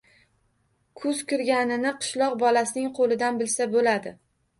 Kuz kirganini qishloq bolasining qo‘lidan bilsa bo‘ladi.